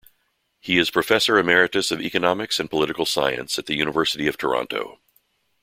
He is professor emeritus of economics and political science at the University of Toronto.